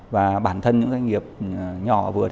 và bản thân những doanh nghiệp nhỏ và vừa